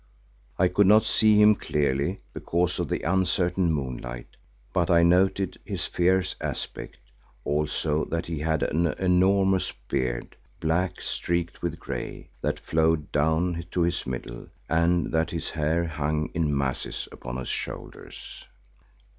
I could not see him clearly because of the uncertain moonlight, but I noted his fierce aspect, also that he had an enormous beard, black streaked with grey, that flowed down to his middle, and that his hair hung in masses upon his shoulders.